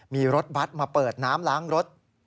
มีรถบัตรมาเปิดน้ำล้างรถ